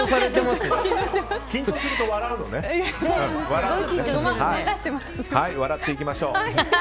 笑っていきましょう。